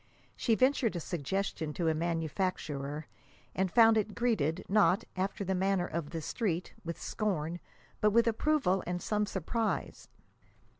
She ventured a suggestion to a manufacturer, and found it greeted, not, after the manner of the Street, with scorn, but with approval and some surprise.